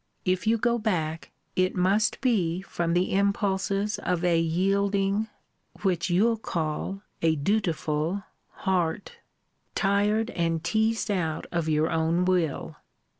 If you go back, it must be from the impulses of a yielding (which you'll call, a dutiful) heart, tired and teased out of your own will.